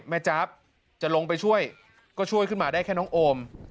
จ๊าบจะลงไปช่วยก็ช่วยขึ้นมาได้แค่น้องโอม